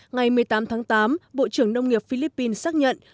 ngày một mươi tám tháng tám bộ trưởng nông nghiệp philippines xác nhận